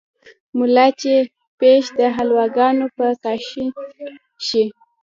ملا چې پېښ دحلواګانو په کاشين شي